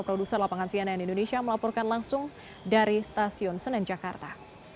produser lapangan cnn indonesia melaporkan langsung dari stasiun senen jakarta